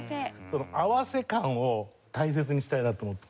その合わせ感を大切にしたいなと思って。